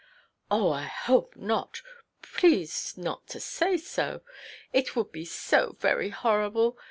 "Oh, I hope not. Please not to say so. It would be so very horrible!